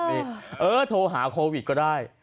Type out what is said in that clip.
นี่เออโทรหาโควิดก็ได้